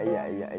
permisi pak haji